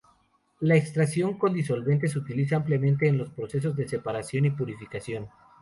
La extracción con disolventes se utiliza ampliamente en los procesos de separación y purificación.